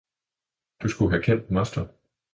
Du skulle have kendt moster!